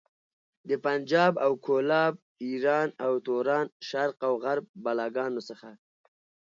د پنجاب او کولاب، ايران او توران، شرق او غرب بلاګانو څخه.